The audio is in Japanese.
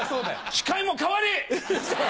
司会も代われ！